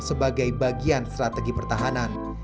sebagai bagian strategi pertahanan